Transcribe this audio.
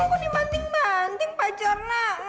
kok dibanting banting pak jorna